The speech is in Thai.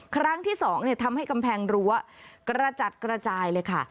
ครั้งที่๒ทำให้กำแพงรั้วกระจัดกระจายเลยค่ะ